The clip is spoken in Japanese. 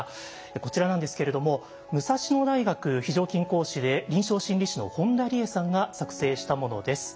こちらなんですけれども武蔵野大学非常勤講師で臨床心理士の本田りえさんが作成したものです。